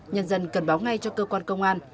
nhân dân cần báo ngay cho cơ quan công an